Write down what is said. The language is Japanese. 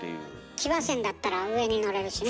騎馬戦だったら上に乗れるしね。